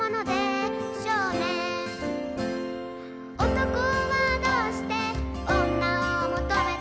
「男はどうして女を求めて」